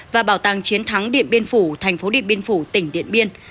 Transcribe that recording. và bảo tàng chiến thắng điện biên phủ thành phố điện biên phủ tỉnh điện biên